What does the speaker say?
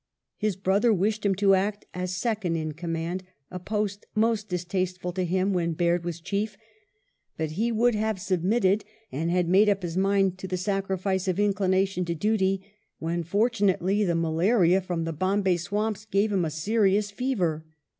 His brother wished him to act as second in command, a post most distasteful to him when Baird was chief, but he would have submitted, and had made up his mind to the sacrifice of inclination to duty, when, fortunately, the malaria from the Bombay swamps gave him a serious fever.